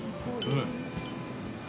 うん。